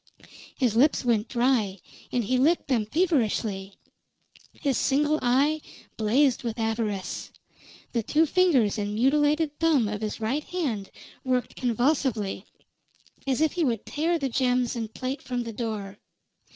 His lips went dry, and he licked them feverishly; his single eye blazed with avarice; the two fingers and mutilated thumb of his right hand worked convulsively, as if he would tear the gems and plate from the door.